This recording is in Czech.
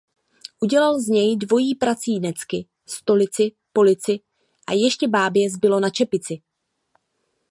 Udělal z něj dvojí prací necky, stolici, polici, a ještě bábě zbylo na čepici.